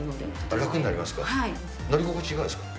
楽になりますか。